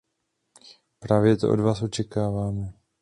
Právě to od vás očekáváme.